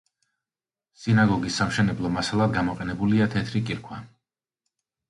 სინაგოგის სამშენებლო მასალად გამოყენებულია თეთრი კირქვა.